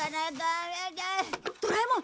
ドラえもん！